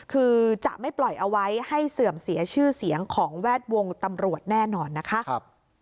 คือจะไม่ปล่อยเอาไว้ให้เสื่อมเสียชื่อเสียงของแวดวงตำรวจแน่นอนนะคะ